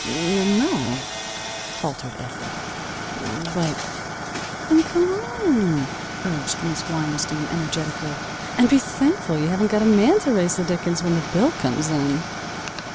"N no," faltered Effie, "but " "Then come on," urged Miss Weinstein energetically. "And be thankful you haven't got a man to raise the dickens when the bill comes in."